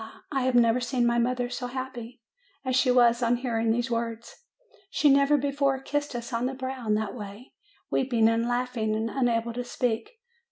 I have never seen my mother so happy as she was on hearing these words ; she never before kissed us on the brow in that way, weeping and laughing, and unable to speak.